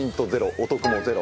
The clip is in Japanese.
お得もゼロ。